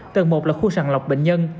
tầng một là khu sàn lọc bệnh nhân